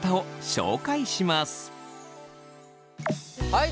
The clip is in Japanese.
はい。